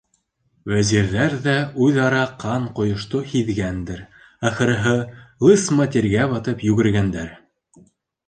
Вәзирҙәр ҙә үҙ-ара ҡан ҡойошто һиҙгәндер, ахырыһы, лысма тиргә батып йүгергәндәр.